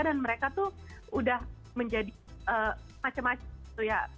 dan mereka tuh udah menjadi macam macam gitu ya